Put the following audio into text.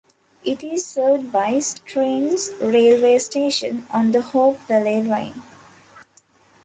It is served by Strines railway station on the Hope Valley Line.